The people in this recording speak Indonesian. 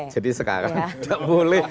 jadi sekarang tidak boleh